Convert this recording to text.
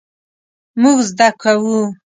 مونږ زده کوو